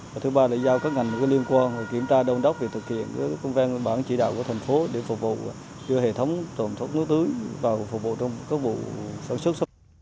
và thứ ba là giao các ngành liên quan kiểm tra đông đốc về thực hiện công ven bản chỉ đạo của thành phố để phục vụ đưa hệ thống thuốc nước tưới vào phục vụ trong các vụ sản xuất